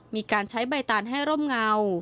มีการใช้ใบตานให้ร่มเงา